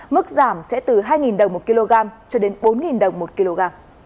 mức giảm sẽ từ hai đồng một kg cho đến bốn đồng một kg